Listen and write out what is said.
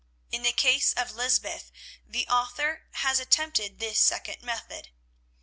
In the case of "Lysbeth" the author has attempted this second method.